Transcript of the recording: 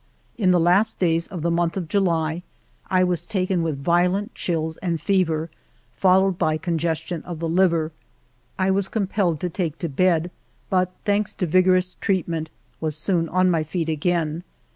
In the last days of the month of July I was taken with violent chills and fever, followed by congestion of the liver. I was compelled to take to bed, but, thanks to vigorous treatment, was soon on my feet again.